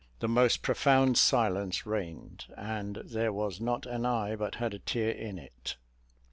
The most profound silence reigned, and there was not an eye but had a tear in it.